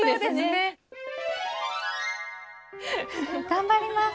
頑張ります。